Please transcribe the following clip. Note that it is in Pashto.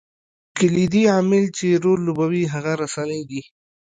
کلیدي عامل چې رول لوبوي هغه رسنۍ دي.